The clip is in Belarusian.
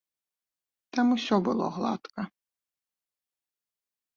Там усё было гладка.